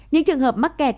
những trường hợp mắc kẹt